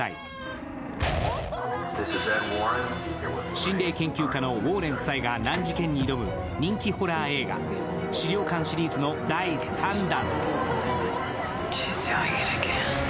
心霊研究家のウォーレン夫妻が難事件に挑む人気ホラー映画「死霊館」シリーズの第３弾。